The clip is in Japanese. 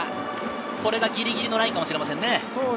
これがぎりぎりのラインかもしれませんね。